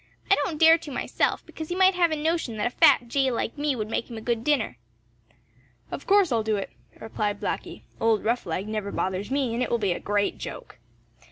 "I don't dare to myself because he might have a notion that a fat Jay like me would make him a good dinner." "Of course I'll do it," replied Blacky. "Old Roughleg never bothers me, and it will be a great joke."